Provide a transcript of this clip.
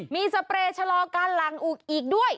มีสเปรย์ชะลอการหลังอีกด้วย